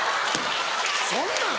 そんなん。